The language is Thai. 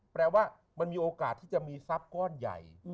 แปลว่ามันมีโอกาสที่จะมีทรัพย์ก้อนใหญ่